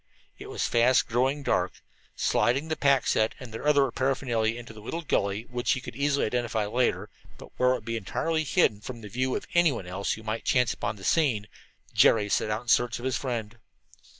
It was fast growing dark. Sliding the pack set and their other paraphernalia into a little gully which he easily could identify later, but where it would be entirely hidden from the view of anyone else who might chance upon the scene, Jerry set out in search of his friend.